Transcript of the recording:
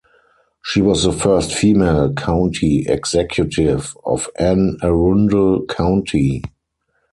She was the first female county executive of Anne Arundel County.